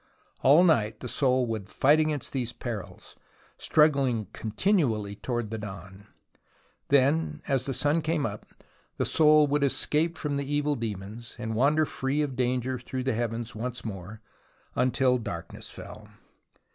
All night the soul would fight against these perils, struggling con tinually towards the dawn. Then, as the sun came up, the soul would escape from the evil demons, and wander free of danger through the heavens once more until darkness fell.